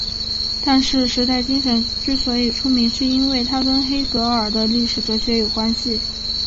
但是时代精神之所以出名是因为它跟黑格尔的历史哲学有关系。